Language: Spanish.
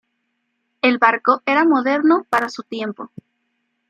El barco era moderno para su tiempo.